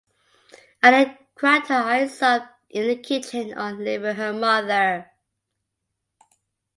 Annie cried her eyes up in the kitchen, on leaving her mother.